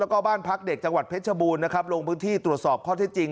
แล้วก็บ้านพักเด็กจังหวัดเพชรบูรณ์นะครับลงพื้นที่ตรวจสอบข้อที่จริง